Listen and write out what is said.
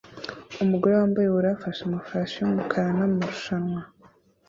Umugore wambaye ubururu afashe amafarashi yumukara na marushanwa